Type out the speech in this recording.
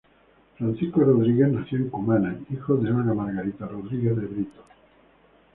Francisco Rodríguez nació en Cumana, hijo de Olga Margarita Rodríguez de Brito.